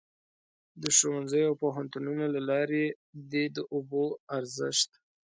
د ښوونځیو او پوهنتونونو له لارې دې د اوبو د ارزښت.